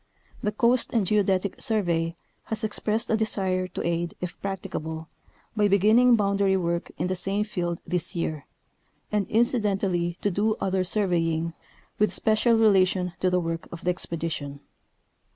The Coast and Geodetic Surve}^ has expressed a desire to aid, if practicable, by beginning boundary work in the same field this year, and inci dentally to do other surveying with special relation to the work of the expedition.